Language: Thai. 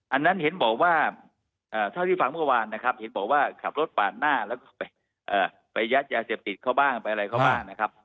อันนั้นเห็นบอกว่าเท่าที่ฟังเมื่อวานนะครับเห็นบอกว่าขับรถปาดหน้าแล้วก็ไปยัดยาเสพติดเขาบ้างไปอะไรเขาบ้างนะครับ